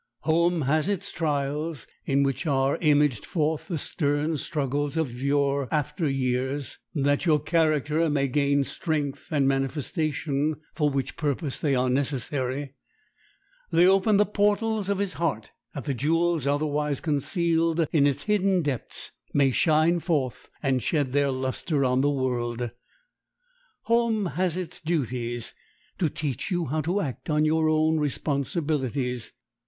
Home has its trials, in which are imaged forth the stern struggles of your after years, that your character may gain strength and manifestation, for which purpose they are necessary; they open the portals of his heart, that the jewels otherwise concealed in its hidden depths may shine forth and shed their luster on the world. Home has its duties, to teach you how to act on your own responsibilities.